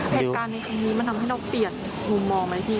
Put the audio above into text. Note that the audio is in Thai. เหตุการณ์ในครั้งนี้มันทำให้เราเปลี่ยนมุมมองไหมพี่